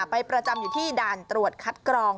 ประจำอยู่ที่ด่านตรวจคัดกรอง